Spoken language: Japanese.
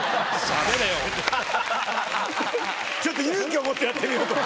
ちょっと勇気を持ってやってみようと。